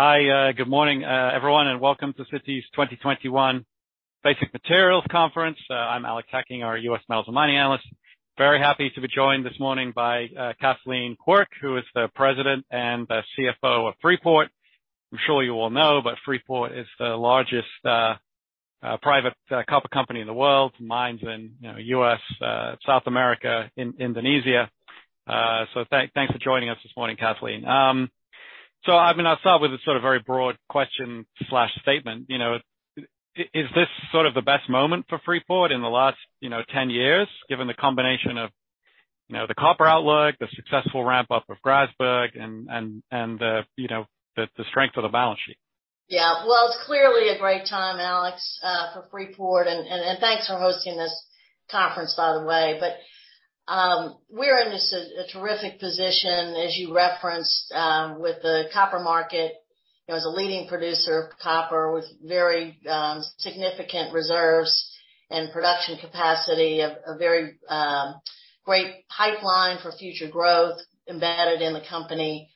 Hi, good morning, everyone, welcome to Citi's 2021 Basic Materials Conference. I'm Alex Hacking, our U.S. Metals and Mining Analyst. Very happy to be joined this morning by Kathleen Quirk, who is the President and CFO of Freeport-McMoRan. I'm sure you all know, but Freeport-McMoRan is the largest private copper company in the world, with mines in U.S., South America, Indonesia. Thanks for joining us this morning, Kathleen. I'll start with a sort of very broad question/statement. Is this sort of the best moment for Freeport-McMoRan in the last 10 years, given the combination of the copper outlook, the successful ramp-up of Grasberg and the strength of the balance sheet? Yeah. Well, it's clearly a great time, Alex, for Freeport-McMoRan, thanks for hosting this conference, by the way. We're in a terrific position, as you referenced, with the copper market, as a leading producer of copper with very significant reserves and production capacity, a very great pipeline for future growth embedded in the company.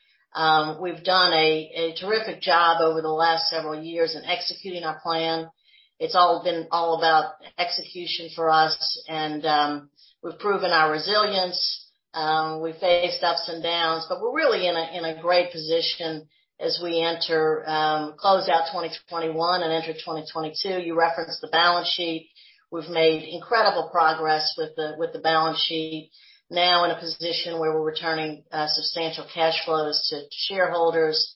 We've done a terrific job over the last several years in executing our plan. It's all been all about execution for us. We've proven our resilience. We've faced ups and downs, but we're really in a great position as we close out 2021 and enter 2022. You referenced the balance sheet. We've made incredible progress with the balance sheet, now in a position where we're returning substantial cash flows to shareholders.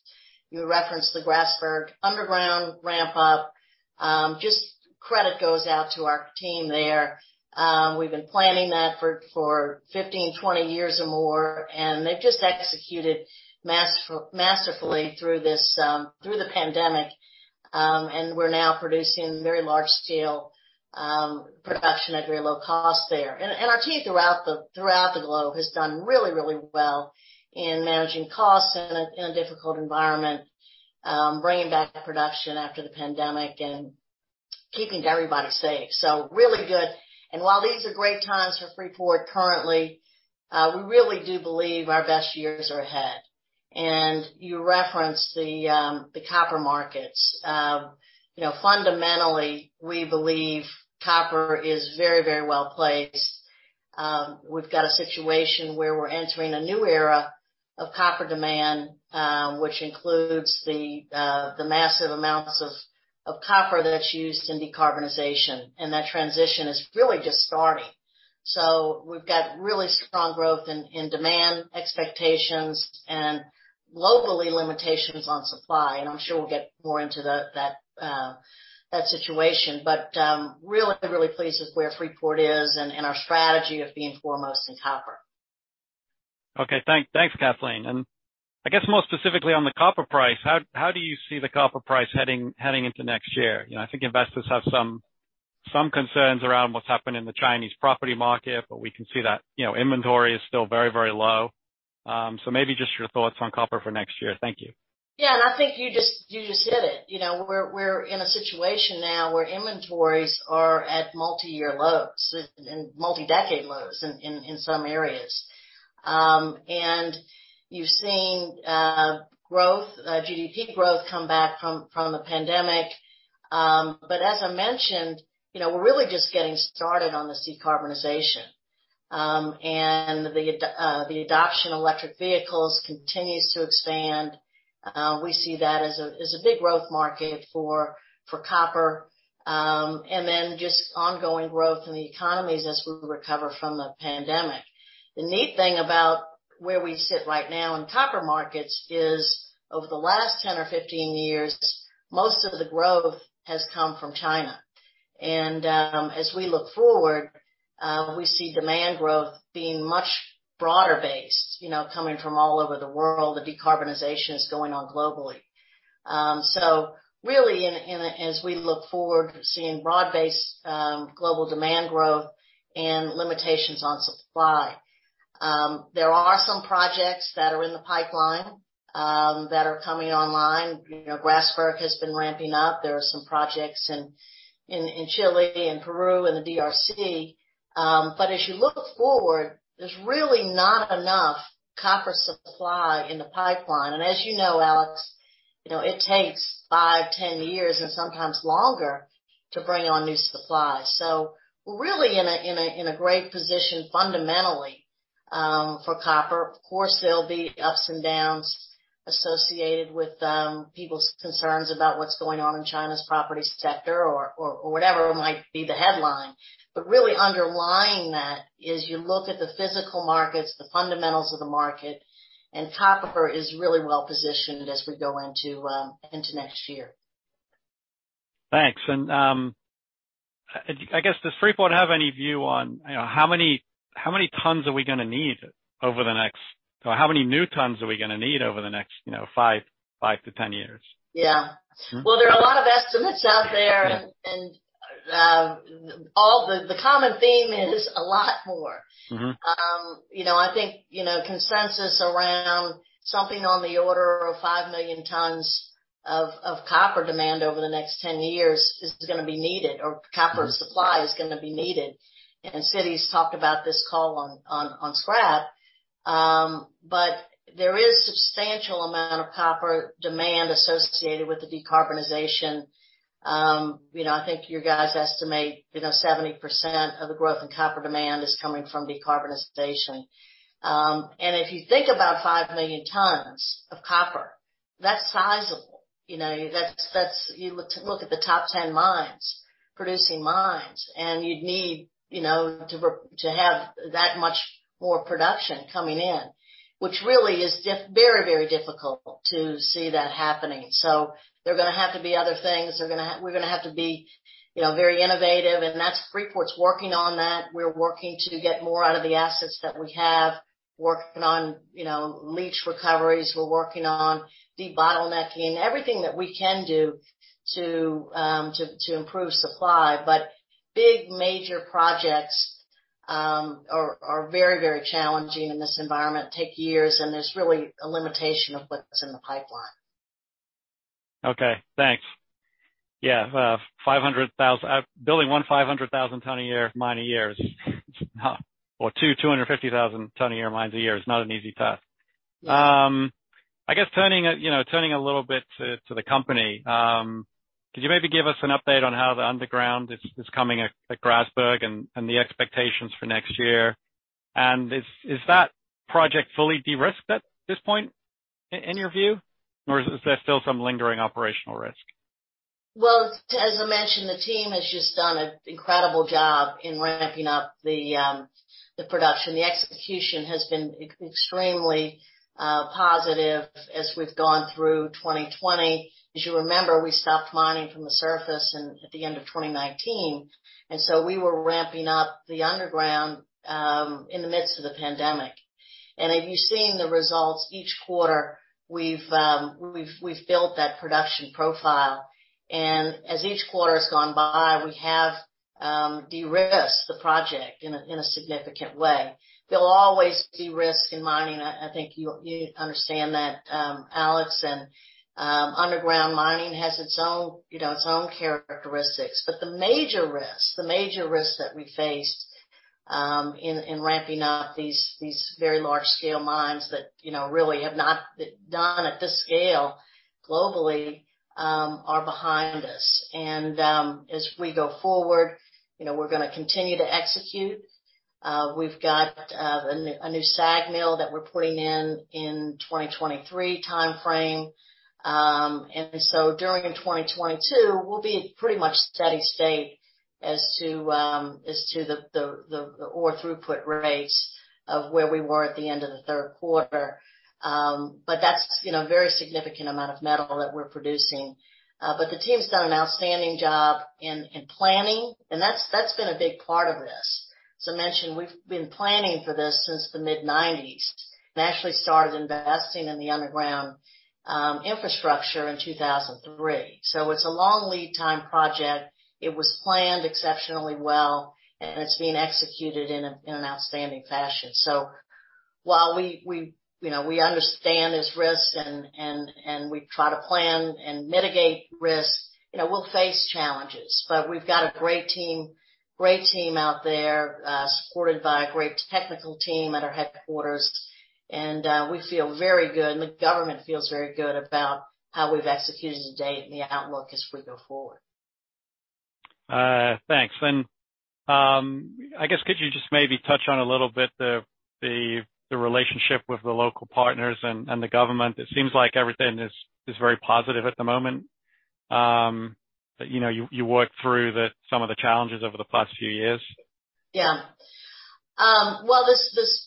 You referenced the Grasberg underground ramp up. Just credit goes out to our team there. We've been planning that for 15, 20 years or more, they've just executed masterfully through the pandemic. We're now producing very large scale production at very low cost there. Our team throughout the globe has done really well in managing costs in a difficult environment, bringing back production after the pandemic and keeping everybody safe. Really good. While these are great times for Freeport-McMoRan currently, we really do believe our best years are ahead. You referenced the copper markets. Fundamentally, we believe copper is very well-placed. We've got a situation where we're entering a new era of copper demand, which includes the massive amounts of copper that's used in decarbonization. That transition is really just starting. We've got really strong growth in demand expectations and locally limitations on supply, and I'm sure we'll get more into that situation. Really pleased with where Freeport-McMoRan is and our strategy of being foremost in copper. Okay, thanks, Kathleen. I guess more specifically on the copper price, how do you see the copper price heading into next year? I think investors have some concerns around what's happened in the Chinese property market, but we can see that inventory is still very low. Maybe just your thoughts on copper for next year. Thank you. Yeah, I think you just hit it. We're in a situation now where inventories are at multi-year lows and multi-decade lows in some areas. You're seeing GDP growth come back from the pandemic. As I mentioned, we're really just getting started on this decarbonization. The adoption of electric vehicles continues to expand. We see that as a big growth market for copper, and then just ongoing growth in the economies as we recover from the pandemic. The neat thing about where we sit right now in copper markets is over the last 10 or 15 years, most of the growth has come from China. As we look forward, we see demand growth being much broader based, coming from all over the world. The decarbonization is going on globally. Really, as we look forward to seeing broad-based global demand growth and limitations on supply, there are some projects that are in the pipeline, that are coming online. Grasberg has been ramping up. There are some projects in Chile and Peru and the DRC. As you look forward, there's really not enough copper supply in the pipeline. As you know, Alex, it takes five, 10 years and sometimes longer to bring on new supply. We're really in a great position fundamentally, for copper. Of course, there'll be ups and downs associated with people's concerns about what's going on in China's property sector or whatever might be the headline. Really underlying that is you look at the physical markets, the fundamentals of the market, and copper is really well-positioned as we go into next year. Thanks. I guess, does Freeport have any view on how many new tons are we going to need over the next five to 10 years? Yeah. Well, there are a lot of estimates out there, and the common theme is a lot more. I think, consensus around something on the order of 5 million tons of copper demand over the next 10 years is going to be needed, or copper supply is going to be needed. Sid has talked about this call on scrap. There is substantial amount of copper demand associated with the decarbonization. I think you guys estimate 70% of the growth in copper demand is coming from decarbonization. If you think about 5 million tons of copper, that's sizable. You look at the top 10 mines, producing mines, and you'd need to have that much more production coming in, which really is just very difficult to see that happening. There are going to have to be other things. We're going to have to be very innovative, and Freeport's working on that. We're working to get more out of the assets that we have, working on leach recoveries. We're working on de-bottlenecking. Everything that we can do to improve supply. Big, major projects are very challenging in this environment, take years, and there's really a limitation of what's in the pipeline. Okay, thanks. Yeah. Building 1 500,000 ton a year mine a year is or 2 250,000 ton a year mines a year is not an easy task. Yeah. I guess turning a little bit to the company. Could you maybe give us an update on how the underground is coming at Grasberg and the expectations for next year? Is that project fully de-risked at this point, in your view? Or is there still some lingering operational risk? Well, as I mentioned, the team has just done an incredible job in ramping up the production. The execution has been extremely positive as we've gone through 2020. As you remember, we stopped mining from the surface at the end of 2019, we were ramping up the underground in the midst of the pandemic. If you've seen the results, each quarter, we've built that production profile, and as each quarter has gone by, we have de-risked the project in a significant way. There'll always be risk in mining. I think you understand that, Alex. Underground mining has its own characteristics. The major risks that we faced in ramping up these very large-scale mines that really have not been done at this scale globally, are behind us. As we go forward, we're going to continue to execute. We've got a new SAG mill that we're putting in 2023 timeframe. During 2022, we'll be pretty much steady state as to the ore throughput rates of where we were at the end of the third quarter. That's a very significant amount of metal that we're producing. The team's done an outstanding job in planning, and that's been a big part of this. As I mentioned, we've been planning for this since the mid-'90s and actually started investing in the underground infrastructure in 2003. It's a long lead time project. It was planned exceptionally well, and it's being executed in an outstanding fashion. While we understand there's risks, and we try to plan and mitigate risks, we'll face challenges. We've got a great team out there, supported by a great technical team at our headquarters, and we feel very good, and the government feels very good about how we've executed to date and the outlook as we go forward. Thanks. I guess could you just maybe touch on a little bit, the relationship with the local partners and the government? It seems like everything is very positive at the moment, that you worked through some of the challenges over the past few years. Yeah. Well, this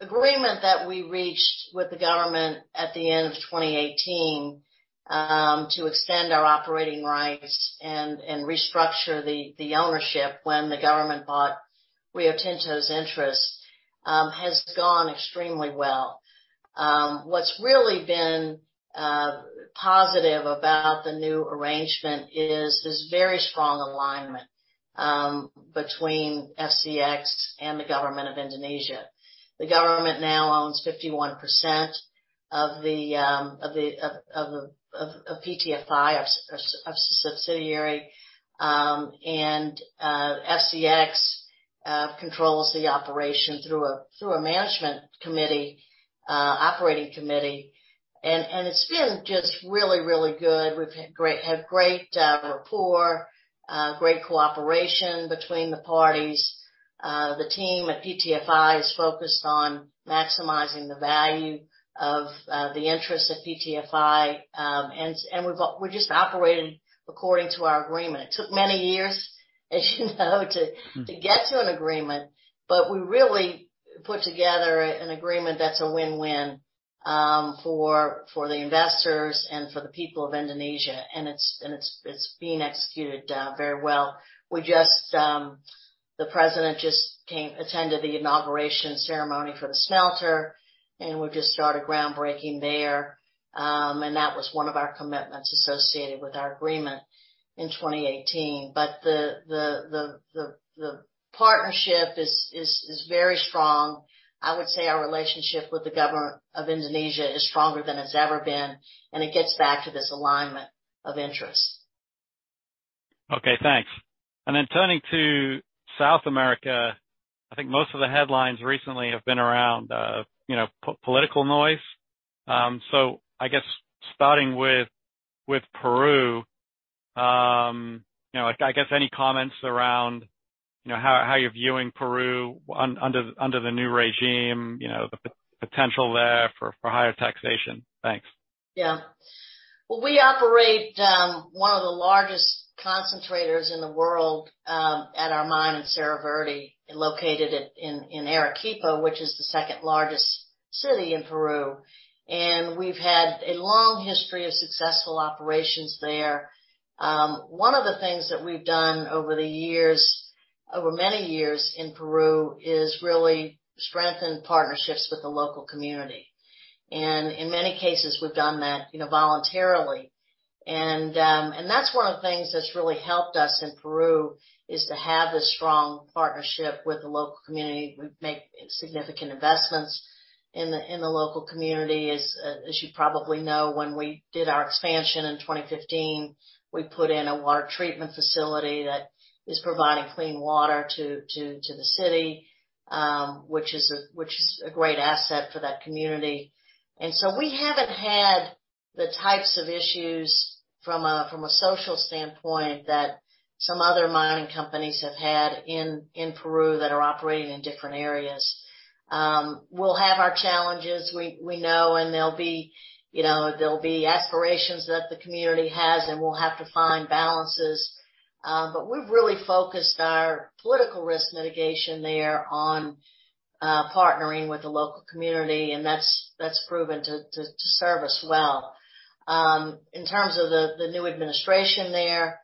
agreement that we reached with the government at the end of 2018, to extend our operating rights and restructure the ownership when the government bought Rio Tinto's interest, has gone extremely well. What's really been positive about the new arrangement is this very strong alignment between FCX and the government of Indonesia. The government now owns 51% of PTFI, a subsidiary, and FCX controls the operation through a management committee, operating committee. It's been just really good. We've had great rapport, great cooperation between the parties. The team at PTFI is focused on maximizing the value of the interest of PTFI. We're just operating according to our agreement. It took many years, as you know, to get to an agreement, but we really put together an agreement that's a win-win for the investors and for the people of Indonesia, and it's being executed very well. The president just attended the inauguration ceremony for the smelter, and we've just started groundbreaking there, and that was one of our commitments associated with our agreement in 2018. The partnership is very strong. I would say our relationship with the government of Indonesia is stronger than it's ever been, and it gets back to this alignment of interests. Okay, thanks. Turning to South America, I think most of the headlines recently have been around political noise. I guess starting with Peru, any comments around how you're viewing Peru under the new regime, the potential there for higher taxation? Thanks. Well, we operate one of the largest concentrators in the world at our mine in Cerro Verde, located in Arequipa, which is the second-largest city in Peru. We've had a long history of successful operations there. One of the things that we've done over the years, over many years in Peru, is really strengthen partnerships with the local community. In many cases, we've done that voluntarily. That's one of the things that's really helped us in Peru, is to have this strong partnership with the local community. We make significant investments in the local community. As you probably know, when we did our expansion in 2015, we put in a water treatment facility that is providing clean water to the city, which is a great asset for that community. We haven't had the types of issues from a social standpoint that some other mining companies have had in Peru that are operating in different areas. We'll have our challenges, we know, and there'll be aspirations that the community has, and we'll have to find balances. We've really focused our political risk mitigation there on partnering with the local community, and that's proven to serve us well. In terms of the new administration there,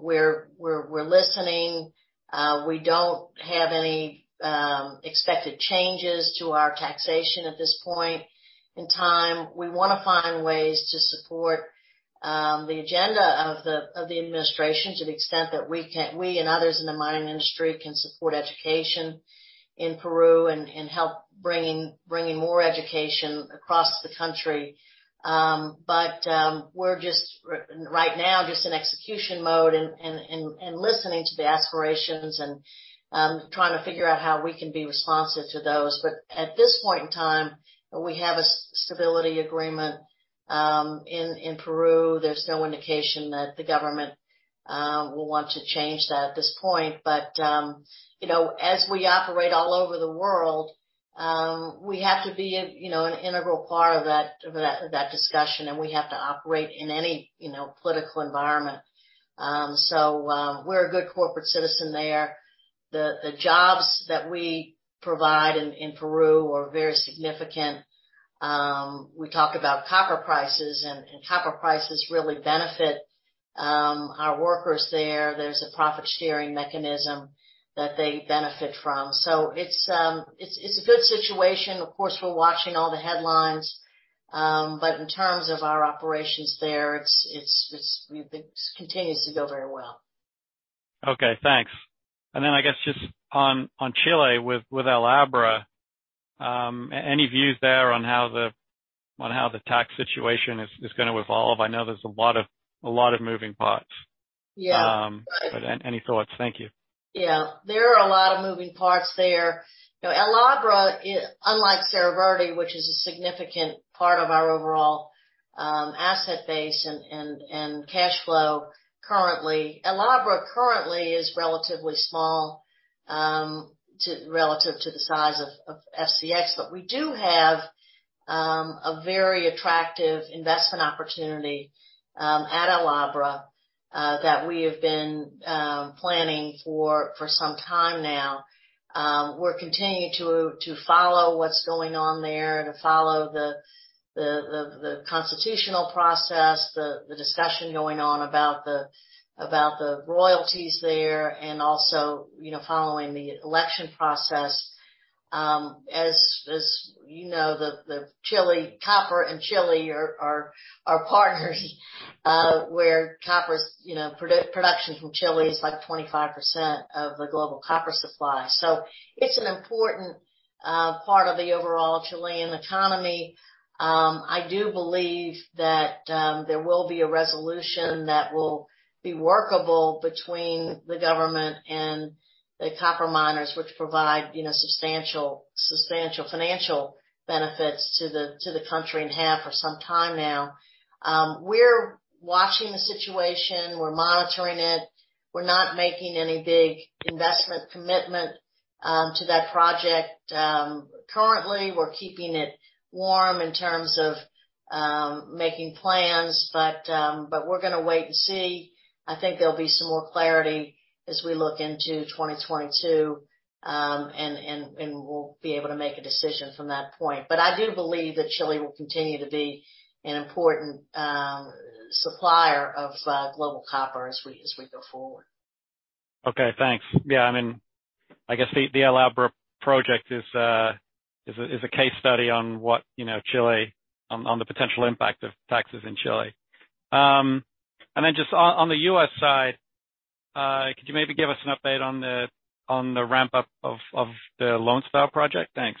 we're listening. We don't have any expected changes to our taxation at this point in time. We want to find ways to support the agenda of the administration to the extent that we and others in the mining industry can support education in Peru and help bringing more education across the country. We're just, right now, just in execution mode and listening to the aspirations and trying to figure out how we can be responsive to those. At this point in time, we have a stability agreement in Peru. There's no indication that the government will want to change that at this point. As we operate all over the world, we have to be an integral part of that discussion, and we have to operate in any political environment. We're a good corporate citizen there. The jobs that we provide in Peru are very significant. We talk about copper prices, and copper prices really benefit our workers there. There's a profit-sharing mechanism that they benefit from. It's a good situation. Of course, we're watching all the headlines. In terms of our operations there, it continues to go very well. Okay, thanks. Just on Chile with El Abra, any views there on how the tax situation is going to evolve? I know there's a lot of moving parts. Yeah. Any thoughts? Thank you. Yeah. There are a lot of moving parts there. El Abra, unlike Cerro Verde, which is a significant part of our overall asset base and cash flow currently, El Abra currently is relatively small relative to the size of FCX. We do have a very attractive investment opportunity at El Abra that we have been planning for some time now. We're continuing to follow what's going on there, to follow the constitutional process, the discussion going on about the royalties there, and also following the election process. As you know, the Chile copper and Chile are partners where copper production from Chile is like 25% of the global copper supply. It's an important part of the overall Chilean economy. I do believe that there will be a resolution that will be workable between the government and the copper miners, which provide substantial financial benefits to the country and have for some time now. We're watching the situation. We're monitoring it. We're not making any big investment commitment to that project currently. We're keeping it warm in terms of making plans, we're going to wait and see. I think there'll be some more clarity as we look into 2022, and we'll be able to make a decision from that point. I do believe that Chile will continue to be an important supplier of global copper as we go forward. Okay, thanks. Yeah. I guess the El Abra project is a case study on the potential impact of taxes in Chile. Then just on the U.S. side, could you maybe give us an update on the ramp-up of the Lone Star project? Thanks.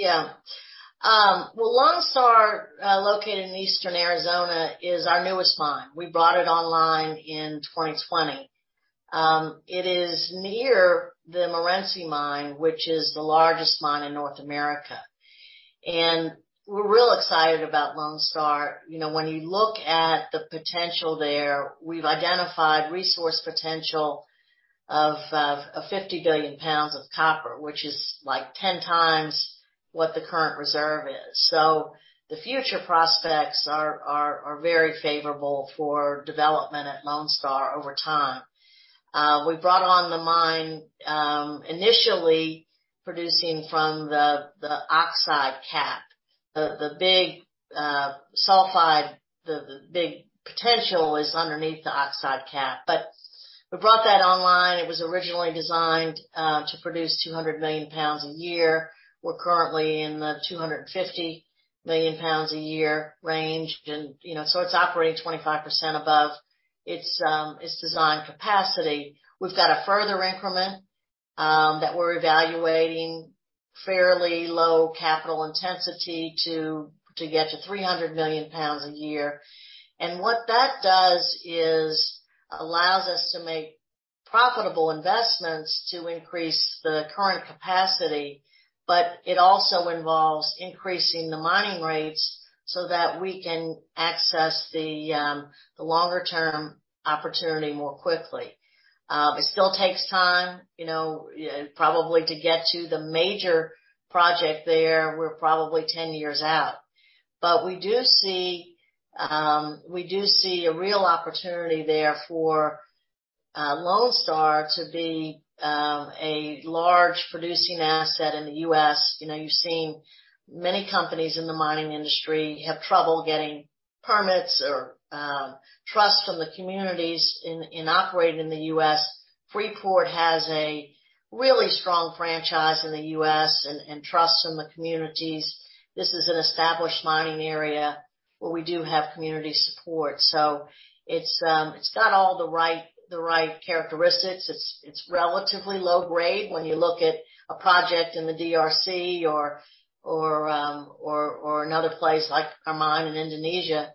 Well, Lone Star, located in Eastern Arizona, is our newest mine. We brought it online in 2020. It is near the Morenci mine, which is the largest mine in North America. We're real excited about Lone Star. When you look at the potential there, we've identified resource potential of 50 billion pounds of copper, which is like 10 times what the current reserve is. The future prospects are very favorable for development at Lone Star over time. We brought on the mine, initially producing from the oxide cap. The big potential is underneath the oxide cap. We brought that online. It was originally designed to produce 200 million pounds a year. We're currently in the 250 million pounds a year range. It's operating 25% above its design capacity. We've got a further increment, that we're evaluating, fairly low capital intensity to get to 300 million pounds a year. What that does is allows us to make profitable investments to increase the current capacity, but it also involves increasing the mining rates so that we can access the longer-term opportunity more quickly. It still takes time, probably to get to the major project there, we're probably 10 years out. We do see a real opportunity there for Lone Star to be a large producing asset in the U.S. You've seen many companies in the mining industry have trouble getting permits or trust from the communities in operating in the U.S. Freeport has a really strong franchise in the U.S. and trust from the communities. This is an established mining area where we do have community support. It's got all the right characteristics. It's relatively low grade when you look at a project in the DRC or another place, like our mine in Indonesia.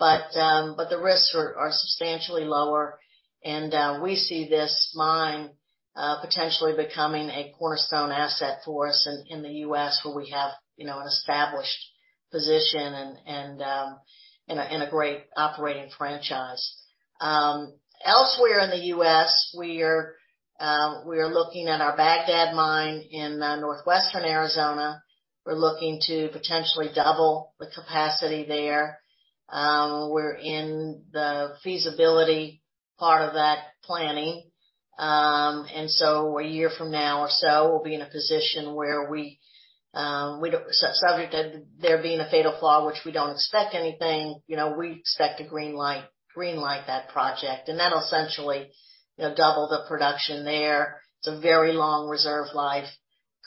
The risks are substantially lower, and we see this mine potentially becoming a cornerstone asset for us in the U.S., where we have an established position and a great operating franchise. Elsewhere in the U.S., we are looking at our Bagdad mine in northwestern Arizona. We're looking to potentially double the capacity there. We're in the feasibility part of that planning. A year from now or so, we'll be in a position where subject to there being a fatal flaw, which we don't expect anything, we expect to green-light that project. That'll essentially double the production there. It's a very long reserve life,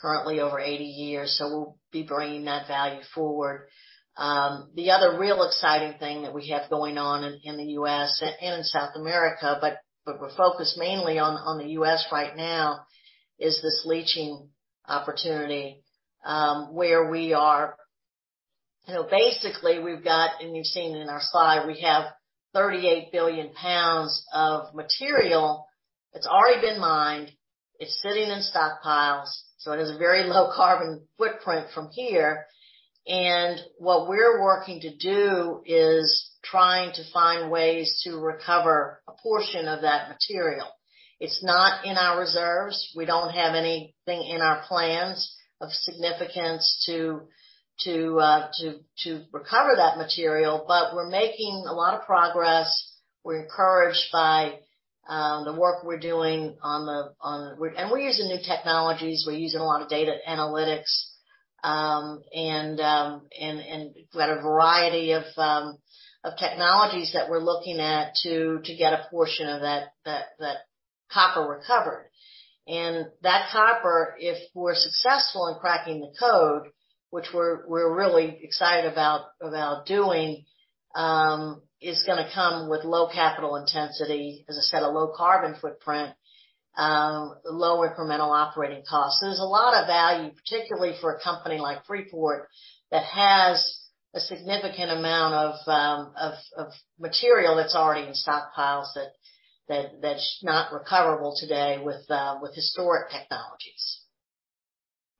currently over 80 years. We'll be bringing that value forward. The other real exciting thing that we have going on in the U.S. and in South America, but we're focused mainly on the U.S. right now, is this leaching opportunity. We've got, and you've seen it in our slide, we have 38 billion pounds of material that's already been mined. It's sitting in stockpiles, so it has a very low carbon footprint from here. What we're working to do is trying to find ways to recover a portion of that material. It's not in our reserves. We don't have anything in our plans of significance to recover that material, but we're making a lot of progress. We're encouraged by the work we're doing. We're using new technologies. We're using a lot of data analytics, and we've got a variety of technologies that we're looking at to get a portion of that copper recovered. That copper, if we're successful in cracking the code, which we're really excited about doing, is going to come with low capital intensity. As I said, a low carbon footprint, low incremental operating costs. There's a lot of value, particularly for a company like Freeport, that has a significant amount of material that's already in stockpiles, that's not recoverable today with historic technologies.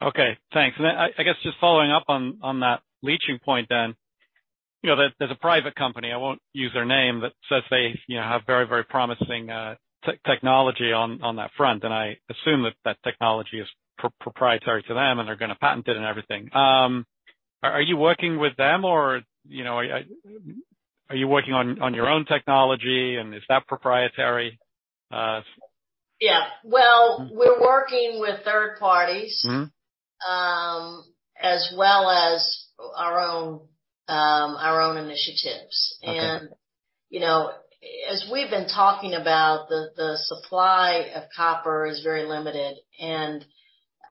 Okay, thanks. I guess just following up on that leaching point then. There's a private company, I won't use their name, that says they have very promising technology on that front, and I assume that technology is proprietary to them, and they're going to patent it and everything. Are you working with them or are you working on your own technology, and is that proprietary? Yeah. Well, we're working with third parties. As well as our own initiatives. Okay. As we've been talking about, the supply of copper is very limited.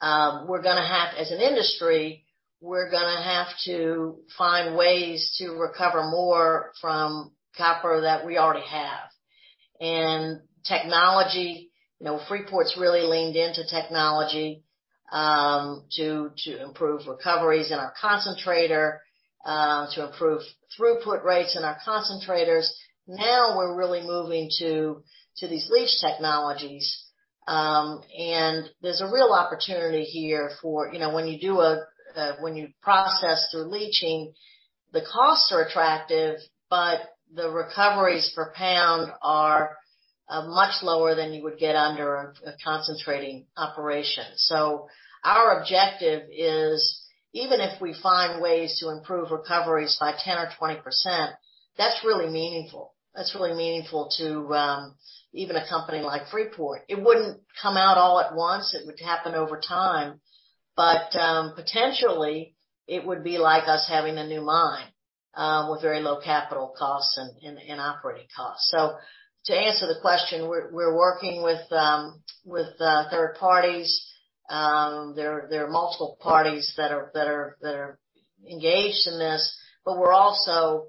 As an industry, we're going to have to find ways to recover more from copper that we already have. Technology Freeport's really leaned into technology to improve recoveries in our concentrator, to improve throughput rates in our concentrators. We're really moving to these leach technologies. There's a real opportunity here for when you process through leaching, the costs are attractive, but the recoveries per pound are much lower than you would get under a concentrating operation. Our objective is, even if we find ways to improve recoveries by 10% or 20%, that's really meaningful. That's really meaningful to even a company like Freeport. It wouldn't come out all at once. It would happen over time. Potentially, it would be like us having a new mine, with very low capital costs and operating costs. To answer the question, we're working with third parties. There are multiple parties that are engaged in this. We're also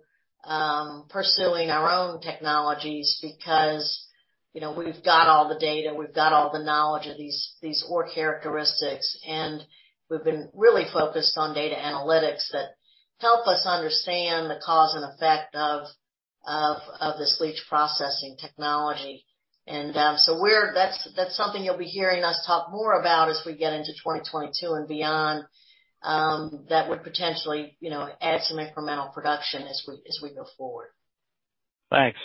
pursuing our own technologies because we've got all the data, we've got all the knowledge of these ore characteristics, and we've been really focused on data analytics that help us understand the cause and effect of this leach processing technology. That's something you'll be hearing us talk more about as we get into 2022 and beyond, that would potentially add some incremental production as we go forward. Thanks.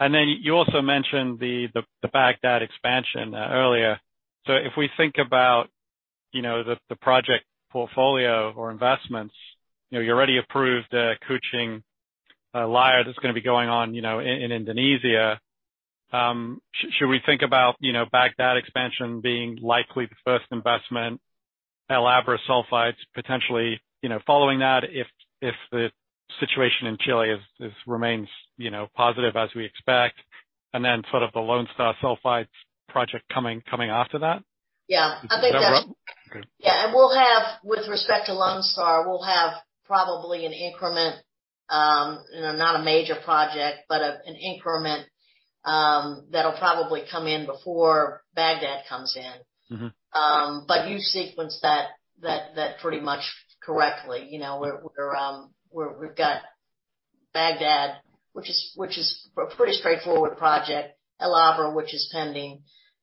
You also mentioned the Bagdad expansion earlier. If we think about the project portfolio or investments, you already approved Kucing Liar that's going to be going on in Indonesia. Should we think about Bagdad expansion being likely the first investment, El Abra sulfides potentially following that if the situation in Chile remains positive as we expect, then sort of the Lone Star Sulfides project coming after that? Yeah. Is that right? Okay. With respect to Lone Star, we'll have probably an increment, not a major project, but an increment, that'll probably come in before Bagdad comes in. You sequenced that pretty much correctly. We've got Bagdad, which is a pretty straightforward project, El Abra, which is pending,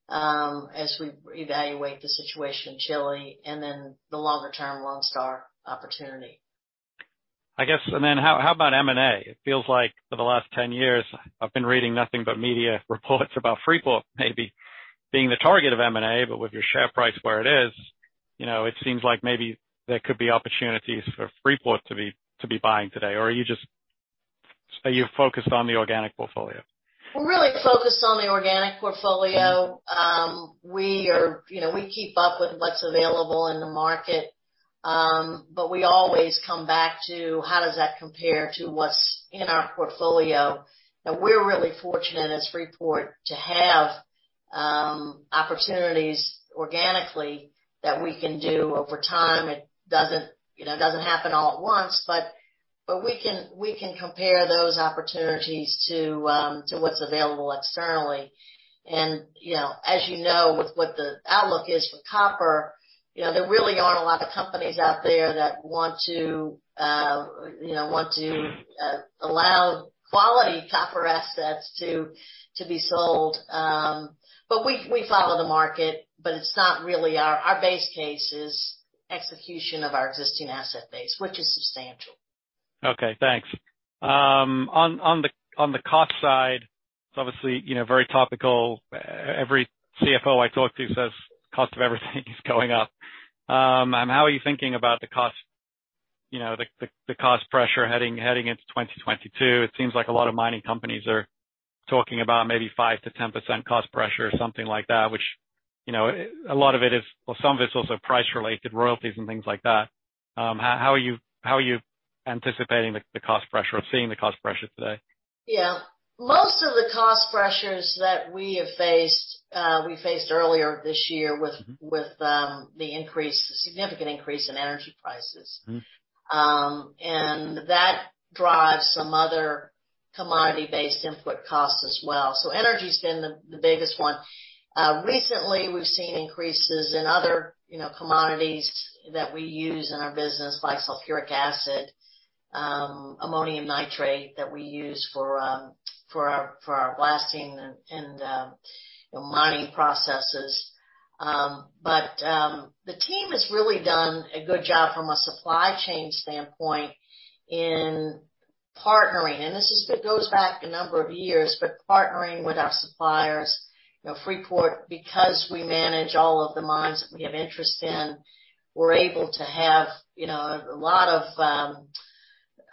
as we evaluate the situation in Chile, and then the longer-term Lone Star opportunity. I guess, how about M&A? It feels like for the last 10 years, I've been reading nothing but media reports about Freeport, maybe being the target of M&A, but with your share price where it is, it seems like maybe there could be opportunities for Freeport to be buying today. Are you focused on the organic portfolio? We're really focused on the organic portfolio. We keep up with what's available in the market. We always come back to, how does that compare to what's in our portfolio? Now, we're really fortunate as Freeport to have opportunities organically that we can do over time. It doesn't happen all at once, but we can compare those opportunities to what's available externally. As you know, with what the outlook is for copper, there really aren't a lot of companies out there that want to allow quality copper assets to be sold. We follow the market, but it's not really our base case is execution of our existing asset base, which is substantial. Okay, thanks. On the cost side, it is obviously very topical. Every CFO I talk to says cost of everything is going up. How are you thinking about the cost pressure heading into 2022? It seems like a lot of mining companies are talking about maybe 5%-10% cost pressure or something like that, which a lot of it is Well, some of it is also price-related, royalties and things like that. How are you anticipating the cost pressure or seeing the cost pressure today? Yeah. Most of the cost pressures that we have faced, we faced earlier this year with the significant increase in energy prices. That drives some other commodity-based input costs as well. Energy has been the biggest one. Recently, we've seen increases in other commodities that we use in our business, like sulfuric acid, ammonium nitrate that we use for our blasting and mining processes. The team has really done a good job from a supply chain standpoint in partnering, and this goes back a number of years, but partnering with our suppliers. Freeport, because we manage all of the mines that we have interest in, we are able to have a lot of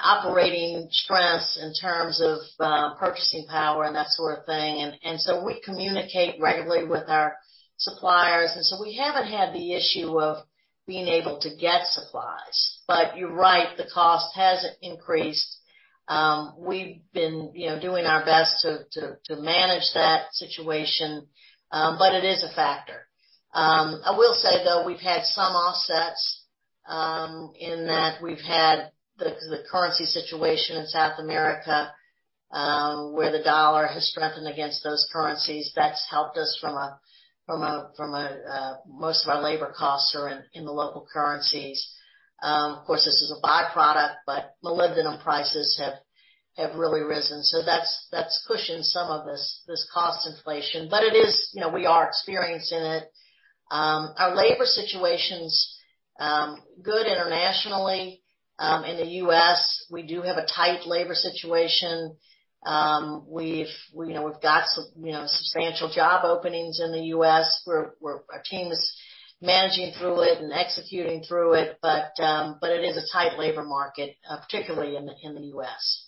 operating strengths in terms of purchasing power and that sort of thing. We communicate regularly with our suppliers, and so we haven't had the issue of being able to get supplies. You are right, the cost has increased. We've been doing our best to manage that situation, but it is a factor. I will say, though, we've had some offsets, in that we've had the currency situation in South America, where the dollar has strengthened against those currencies. Most of our labor costs are in the local currencies. Of course, this is a byproduct, but molybdenum prices have really risen. That has cushioned some of this cost inflation. We are experiencing it. Our labor situation is good internationally. In the U.S., we do have a tight labor situation. We've got some substantial job openings in the U.S., where our team is managing through it and executing through it. It is a tight labor market, particularly in the U.S.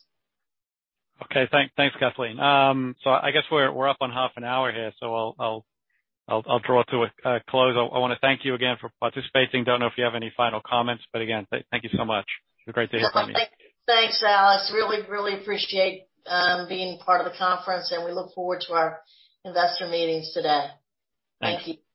Thanks, Kathleen. I guess we're up on half an hour here, I'll draw to a close. I want to thank you again for participating. Don't know if you have any final comments, again, thank you so much. It's been a great day to have you. Thanks, Alex. Really appreciate being part of the conference, we look forward to our investor meetings today. Thanks. Thank you.